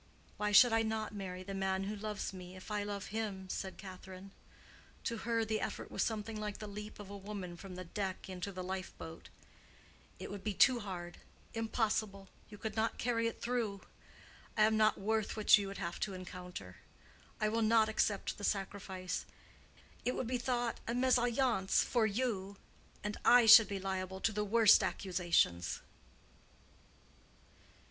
"Why should I not marry the man who loves me, if I love him?" said Catherine. To her the effort was something like the leap of a woman from the deck into the lifeboat. "It would be too hard—impossible—you could not carry it through. I am not worth what you would have to encounter. I will not accept the sacrifice. It would be thought a mésalliance for you and I should be liable to the worst accusations."